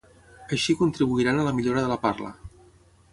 Així contribuiran a la millora de la parla.